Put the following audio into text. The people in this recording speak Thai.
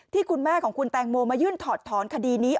ที่คุณแม่ของคุณแตงโมมายื่นถอดถอนคดีนี้